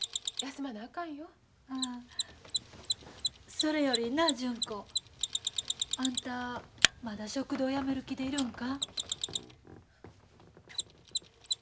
それよりな純子あんたまだ食堂やめる気でいるんか？